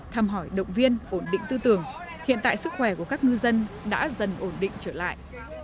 thăm hỏi động viên ổn định tư tưởng hiện tại sức khỏe của các ngư dân đã dần ổn định trở lại